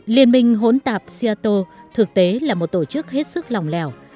liên minh hỗn tạp seattle thực tế là một tổ chức hết sức lòng lèo